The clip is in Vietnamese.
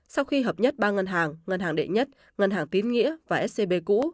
sau khi hợp nhất ba ngân hàng ngân hàng đệ nhất ngân hàng tín nghĩa và scb cũ